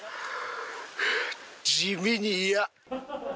地味に嫌。